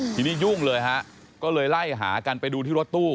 ทีนี้ยุ่งเลยฮะก็เลยไล่หากันไปดูที่รถตู้